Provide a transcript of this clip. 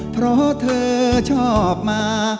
เพราะเธอชอบมา